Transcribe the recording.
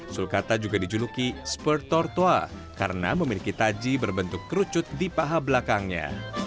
sulcata juga dijuluki spur tortoise karena memiliki taji berbentuk kerucut di paha belakangnya